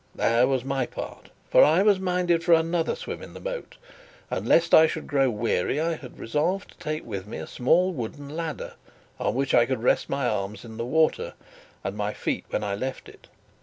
There was my part: for I was minded for another swim in the moat; and, lest I should grow weary, I had resolved to take with me a small wooden ladder, on which I could rest my arms in the water and my feet when I left it.